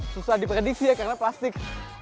susah diprediksi ya karena plastik